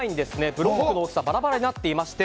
ブロックの大きさがバラバラになっていまして